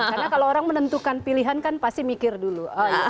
karena kalau orang menentukan pilihan kan pasti mikir dulu